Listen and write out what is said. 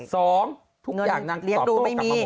สองทุกอย่างนักตอบโต้นไม่มี